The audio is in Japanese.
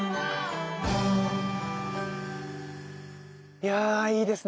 いやいいですね